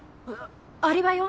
アリバイは？